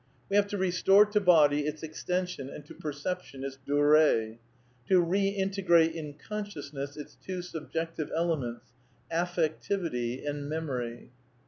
We have to "re store to body its extension and to perception its duree," to " reintegrate in consciousness its two subjective ele ments, affectivity and memory.'